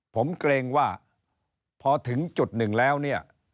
ผมเกรงว่าพอถึงจุดหนึ่งแล้วเนี่ย